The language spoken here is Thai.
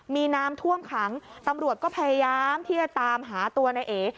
มีน้ำท่วมขังตำรวจก็พยายามที่จะตามหาตัวในเอ